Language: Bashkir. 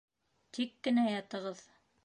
- Тик кенә ятығыҙ!